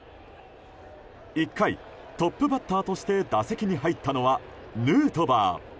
１回、トップバッターとして打席に入ったのはヌートバー。